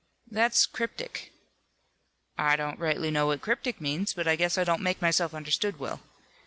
"That's cryptic." "I don't rightly know what 'cryptic' means, but I guess I don't make myself understood well.